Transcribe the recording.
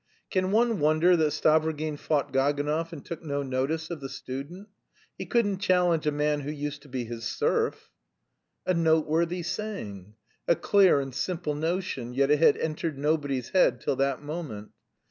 "Can one wonder that Stavrogin fought Gaganov and took no notice of the student? He couldn't challenge a man who used to be his serf!" A noteworthy saying! A clear and simple notion, yet it had entered nobody's head till that moment.